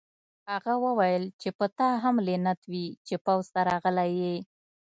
هغه وویل چې په تا هم لعنت وي چې پوځ ته راغلی یې